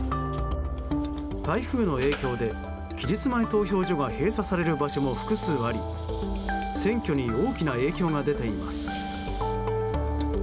台風の影響で期日前投票所は閉鎖される場所も複数あり選挙に大きな影響が出ています。